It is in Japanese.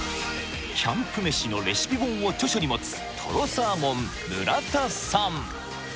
キャンプ飯のレシピ本を著書に持つとろサーモン村田さん